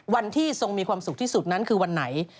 วันที่ทรงมีความสุขที่สุดนั้นคือวันไหน